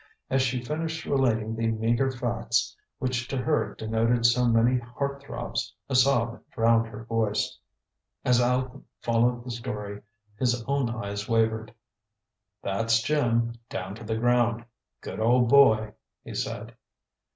As she finished relating the meager facts which to her denoted so many heart throbs, a sob drowned her voice. As Aleck followed the story, his own eyes wavered. "That's Jim, down to the ground. Good old boy!" he said.